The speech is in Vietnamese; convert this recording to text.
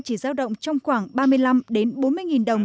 chỉ giao động trong khoảng ba mươi năm bốn mươi đồng